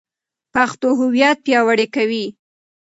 پښتو هویت پیاوړی کوي.